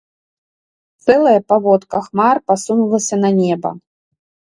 Цэлая паводка хмар пасунулася на неба.